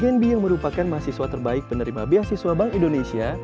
henb yang merupakan mahasiswa terbaik penerima beasiswa bank indonesia